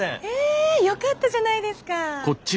えよかったじゃないですか。